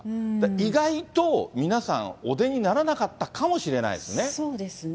意外と皆さん、お出にならなかったかもしれないですね。